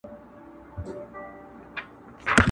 نه چاره یې په دارو درمل کېدله؛